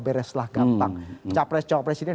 bereslah gampang cowok pres ini